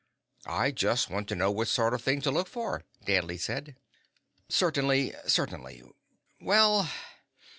"I just want to know what sort of thing to look for," Danley said. "Certainly. Certainly. Well."